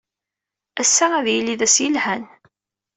Ass-a ad yili d ass yelhan.